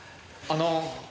あの。